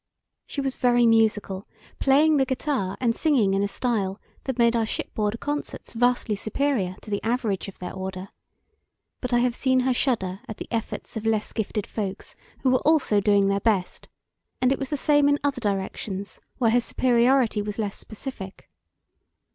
She was very musical, playing the guitar and singing in a style that made our shipboard concerts vastly superior to the average of their order; but I have seen her shudder at the efforts of less gifted folks who were also doing their best; and it was the same in other directions where her superiority was less specific.